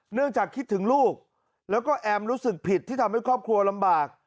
จากคิดถึงลูกแล้วก็แอมรู้สึกผิดที่ทำให้ครอบครัวลำบาก